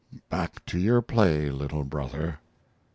Back to your play, little brother."